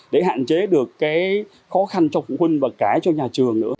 để hạn chế được cái khó khăn cho phụ huynh và cãi cho nhà trường nữa